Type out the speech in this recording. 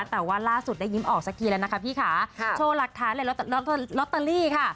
แต่ว่าล่าสุดได้ยิ้มออกสักทีแล้วนะคะพี่ค่ะโชว์หลักฐานเลยลอตเตอรี่ค่ะ